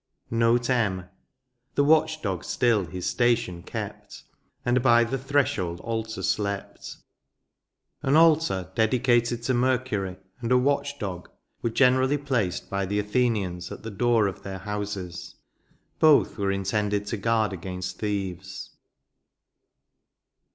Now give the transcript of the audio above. NOTES. Ill NoTsM. The watch dog stiO hU staium k^t. And by the threshold altar elept" An altar dedicated to Mercury, and a Watch dog, were generally placed by the Athenians at the door of their houaes ; both were intended to guard against thieves.